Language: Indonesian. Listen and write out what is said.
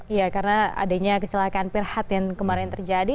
iya karena adanya kecelakaan pirhat yang kemarin terjadi